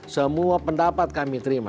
semua pendapat kami terima